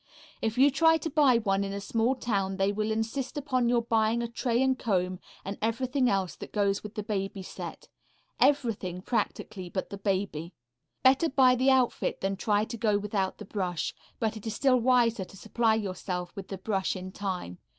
If you try to buy one in a small town they will insist upon your buying a tray and comb, and everything else that goes with the baby set everything, practically, but the baby. Better buy the outfit than try to go without the brush, but it is still wiser to supply yourself with the brush in time.